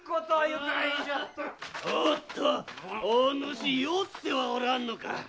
おっとお主酔ってはおらんか？